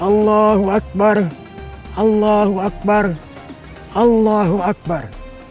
allahu akbar allahu akbar allahu akbar